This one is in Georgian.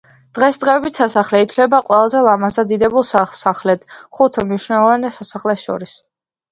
დღესდღეობით სასახლე ითვლება ყველაზე ლამაზ და დიდებულ სასახლედ ხუთ უმნიშვნელოვანეს სასახლეს შორის.